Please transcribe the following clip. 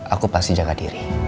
aku pasti jaga diri